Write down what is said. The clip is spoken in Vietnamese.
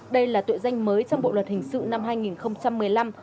đây là tội danh mới trong bộ luật hình sự năm hai nghìn một mươi năm